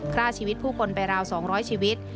ฆ่าชีวิตผู้คนไปราว๒๐๐ชีวิต